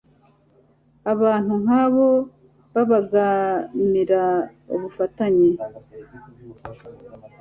abantu nk'abo babangamira ubufatanye